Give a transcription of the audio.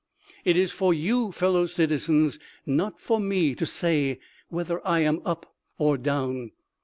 It is for you, fellow citizens, not for me to say whether I am up or down.